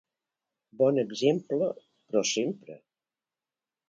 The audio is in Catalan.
Bon exemple, però sempre.